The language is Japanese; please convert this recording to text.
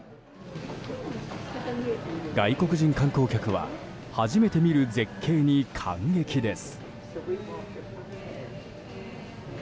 外国人観光客は初めて見る絶景に感激です。